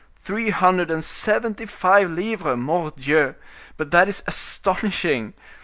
Three hundred and seventy five livres! Mordioux! but that is astonishing!